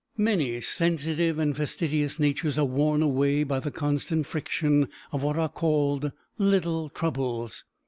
Many sensitive and fastidious natures are worn away by the constant friction of what are called little troubles.